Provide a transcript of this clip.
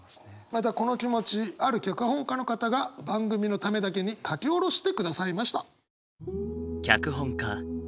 またこの気持ちある脚本家の方が番組のためだけに書き下ろしてくださいました。